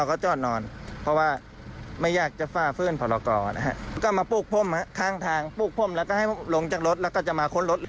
กลับมาปุกพ่มในทางปุกพ่มแล้วให้ลงจากรถแล้วจะไปคล้นรถ